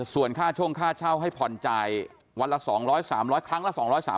ส่วนค่าช่วงค่าเช่าให้ผ่อนจ่ายวันละ๒๐๐๓๐๐ครั้งละ๒๓๐